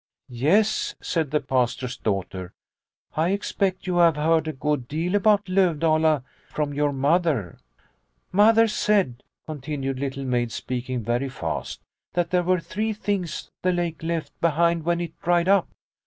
The Black Lake 37 " Yes," said the Pastor's daughter, " I expect you have heard a good deal about Lovdala from your Mother." " Mother said," continued Little Maid, speak ing very fast, " that there were three things the lake left behind when it dried up.